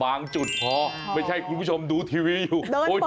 จุดพอไม่ใช่คุณผู้ชมดูทีวีอยู่